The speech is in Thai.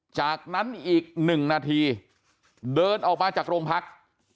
จากนั้นอีก๑นาทีเดินออกมาจากโรงพัก